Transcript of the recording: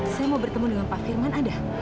saya mau bertemu dengan pak firman ada